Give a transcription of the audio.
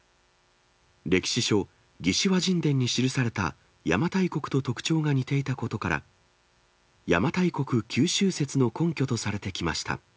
歴史書、魏志倭人伝に記された、邪馬台国と特徴が似ていたことから、邪馬台国九州説の根拠とされてきました。